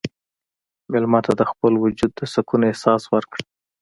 مېلمه ته د خپل وجود د سکون احساس ورکړه.